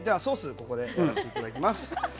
ここでやらせていただきます。